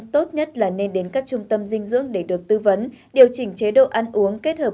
tốt nhất là nên đến các trung tâm dinh dưỡng để được tư vấn điều chỉnh chế độ ăn uống kết hợp